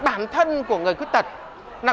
bản thân của người khuyết tật